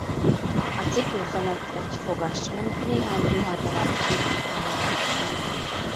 A cipő felett egy fogason néhány ruhadarab függ rendetlenül.